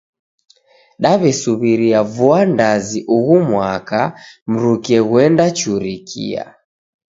Daw'esuw'iria vua ndazi ughu mwaka, mruke ghuenda churikia.